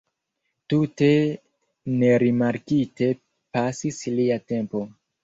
Tute nerimarkite pasis lia tempo.